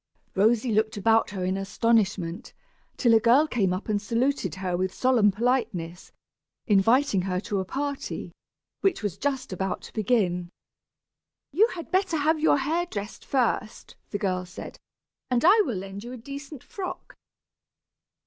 Rosy looked about her in astonishment, till a girl came up and saluted her with solemn politeness, inviting her to a party, which was just about to begin. "You had better have your hair dressed first," the girl said, "and I will lend you a decent frock."